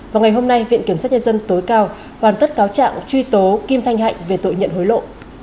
vào ngày hôm nay viện kiểm sát nhân dân tối cao hoàn tất cáo trạng truy tố kim thanh hạnh về tội nhận hối lộ